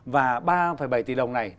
và ba bảy tỷ đồng này